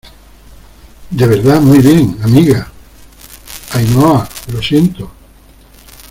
de verdad, muy bien , amiga. Ainhoa , lo siento .